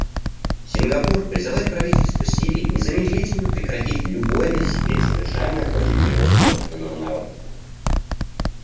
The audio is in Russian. Сингапур призывает правительство Сирии незамедлительно прекратить любое насилие, совершаемое против его же собственного народа.